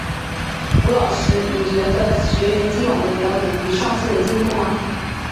吴老师，你觉得学员今晚的表演比上次有进步吗？